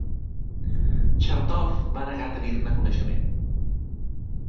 Chertoff va negar tenir-ne coneixement.